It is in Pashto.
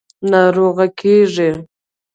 – ناروغه کېږې.